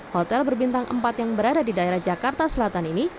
hotel berbintang empat yang berada di daerah jakarta selatan ini